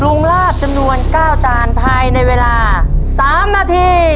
งลาบจำนวน๙จานภายในเวลา๓นาที